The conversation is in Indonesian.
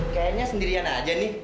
kayaknya sendirian aja nih